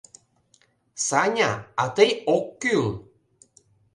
— Саня... а тый ок кӱл!